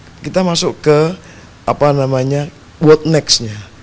mbak kita masuk ke apa namanya what next nya